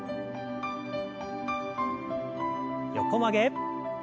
横曲げ。